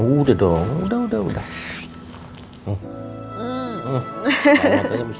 udah dong udah udah